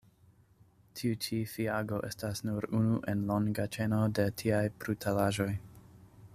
Tiu ĉi fiago estas nur unu en longa ĉeno de tiaj brutalaĵoj.